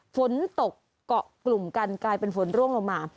ฝนตกเกาะกลุ่มกันกลายเป็นฝนร่วงลงมา